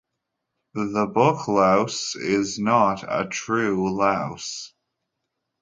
The booklouse is not a true louse.